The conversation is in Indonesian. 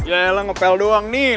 yaelah ngepel doang nih